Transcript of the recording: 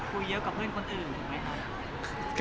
คุยเยอะกับเพื่อนคนอื่นไหมครับ